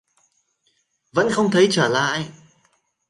Vẫn không thấy trở lại